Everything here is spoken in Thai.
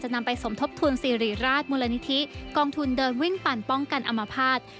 นำไปสมทบทุนสิริราชมูลนิธิกองทุนเดินวิ่งปั่นป้องกันอมภาษณ์